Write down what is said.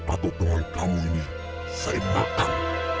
atau dengan kamu ini saya makan